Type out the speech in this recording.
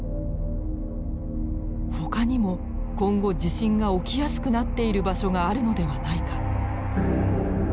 ほかにも今後地震が起きやすくなっている場所があるのではないか。